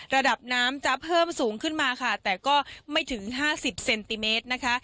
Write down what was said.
ระดับน้ำจะเพิ่มสูงขึ้นมาค่ะแต่ก็ไม่ถึงห้าสิบเซนติเมตรนะคะ